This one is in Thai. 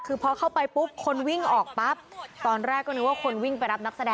คือพอเข้าไปปุ๊บคนวิ่งออกปั๊บตอนแรกก็นึกว่าคนวิ่งไปรับนักแสดง